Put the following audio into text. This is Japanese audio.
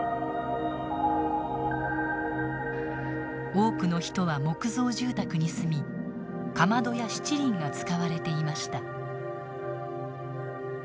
多くの人は木造住宅に住みかまどや七厘が使われていました。